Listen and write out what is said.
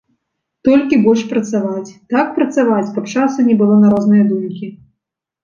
Толькі больш працаваць, так працаваць, каб часу не было на розныя думкі.